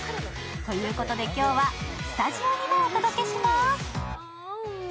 ということで今日はスタジオにもお届けします